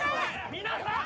皆さん！